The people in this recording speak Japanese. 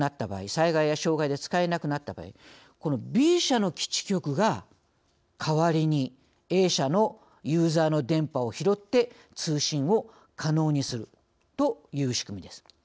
災害や障害で使えなくなった場合Ｂ社の基地局が代わりにＡ社のユーザーの電波を拾って通信を可能にするという仕組みです。